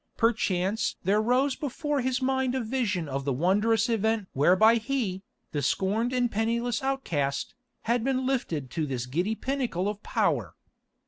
Perchance there rose before his mind a vision of the wondrous event whereby he, the scorned and penniless outcast, had been lifted to this giddy pinnacle of power.